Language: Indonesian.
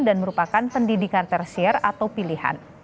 dan merupakan pendidikan tertial atau pilihan